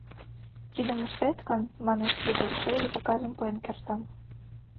— Тидым ыштет гын, — манеш тудо, — эше ик заказым пуэн кертам.